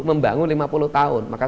membangun lima puluh tahun maka